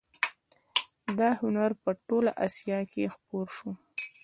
دا هنر په ټوله اسیا کې خپور شو